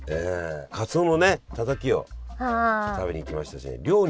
かつおのねたたきを食べに行きましたしね